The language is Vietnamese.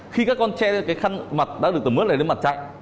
khi các con che cái khăn mặt đã được tẩm mứt lên mặt chạy